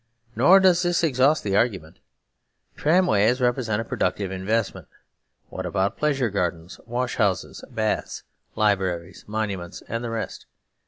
Nor does this exhaust the argument. Tramways represent a pro ductive investment. What about pleasure gardens, wash houses, baths, libraries, monuments, and the rest